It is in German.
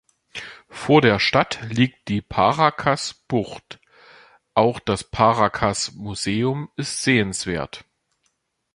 Vor der Stadt liegt die Paracas-Bucht, auch das Paracas-Museum ist sehenswert.